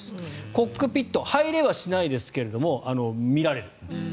コックピット入れはしないですが見られる。